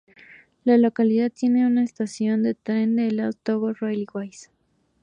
La localidad tiene una estación de tren de las Togo Railways.